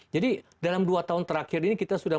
jadi dalam dua tahun terakhir ini kita sudah